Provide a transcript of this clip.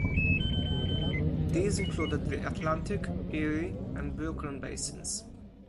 These included the Atlantic, Erie and Brooklyn Basins.